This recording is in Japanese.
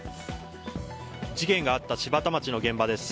事件があった柴田町の現場です。